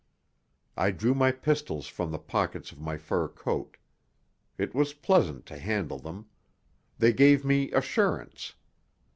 I drew my pistols from the pockets of my fur coat. It was pleasant to handle them. They gave me assurance.